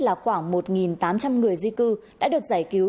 là khoảng một tám trăm linh người di cư đã được giải cứu